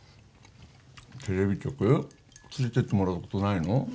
テレビ局連れてってもらったことないの？